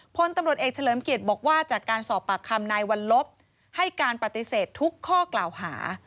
พลตำรวจเอกเฉลิมเกียรติบอกว่าจากการสอบปากคำนายวัลลบให้การปฏิเสธทุกข้อกล่าวหา